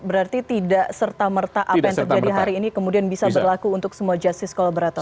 berarti tidak serta merta apa yang terjadi hari ini kemudian bisa berlaku untuk semua justice collaborator